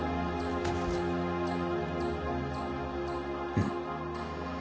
うん。